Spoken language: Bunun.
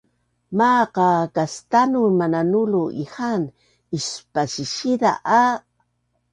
Maaq a kastanun mananulu ihaan ispasisiza a